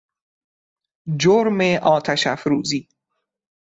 جرم آتش افروزی